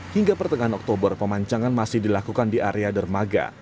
hingga pertengahan oktober pemancangan masih dilakukan di area dermaga